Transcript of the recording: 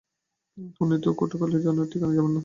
উনি তো কুমারটুলির ঠিকানায় যাবেন না।